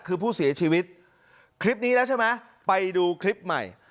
คือผู้เสียชีวิตคลิปนี้แล้วใช่ไหมไปดูคลิปใหม่